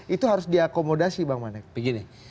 itu harus diakomodasi bang manek begini